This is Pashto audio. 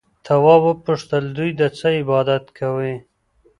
تواب وپوښتل دوی د څه عبادت کوي؟